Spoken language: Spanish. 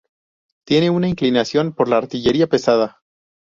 Tiene una inclinación por la artillería pesada.